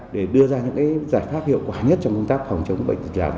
để đưa ra những giải pháp hiệu quả nhất trong công tác phòng chống bệnh